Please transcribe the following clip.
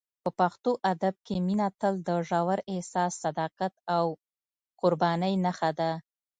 په پښتو ادب کې مینه تل د ژور احساس، صداقت او قربانۍ نښه ده.